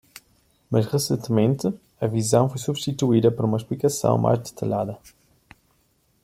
Mas recentemente, a visão foi substituída por uma explicação mais detalhada.